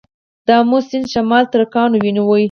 د امو سیند شمال ترکانو ونیو